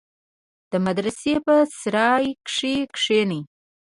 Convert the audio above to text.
د مدرسې په سراى کښې کښېني.